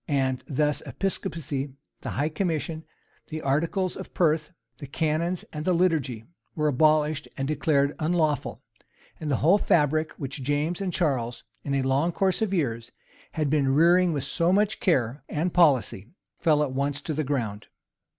And thus episcopacy, the high commission, the articles of Perth, the canons, and the liturgy, were abolished and declared unlawful; and the whole fabric which Jamas and Charles, in a long course of years, had been rearing with so much care and policy, fell at once to the ground.